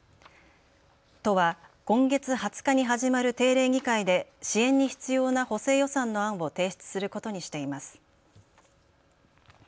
都は今月２０日に始まる定例議会で支援に必要な補正予算の案を提出することにしています。